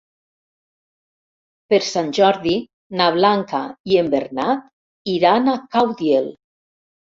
Per Sant Jordi na Blanca i en Bernat iran a Caudiel.